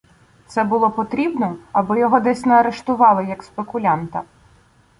Це було потрібно, аби його десь не арештували як спекулянта.